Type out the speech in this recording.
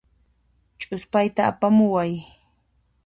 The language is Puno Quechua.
Ch'uspayta apamuway.